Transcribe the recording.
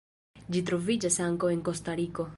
Ĝi troviĝas ankaŭ en Kostariko.